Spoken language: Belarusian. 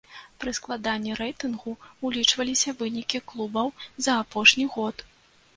Пры складанні рэйтынгу ўлічваліся вынікі клубаў за апошні год.